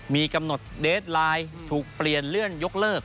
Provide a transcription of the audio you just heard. มีกำหนดเดสไลน์ถูกเปลี่ยนเลื่อนยกเลิก